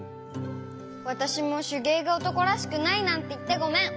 わたしもしゅげいがおとこらしくないなんていってごめん！